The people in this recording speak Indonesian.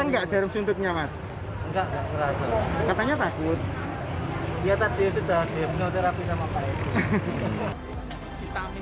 enggak jarum suntuknya mas enggak terasa katanya